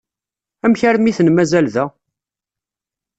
Amek armi i ten-mazal da?